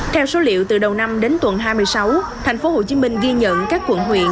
theo số liệu từ đầu năm đến tuần hai mươi sáu thành phố hồ chí minh ghi nhận các quận huyện